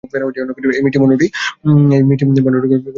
এই মিষ্টি বনরুটি গুলো ভালো হবে?